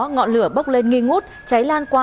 ngọn lửa bốc lên nghi ngút cháy lan qua